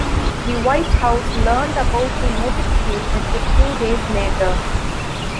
The White House learned about the notification a few days later.